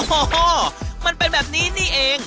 โอ้โหมันเป็นแบบนี้นี่เอง